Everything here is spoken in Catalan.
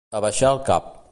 Abaixar el cap.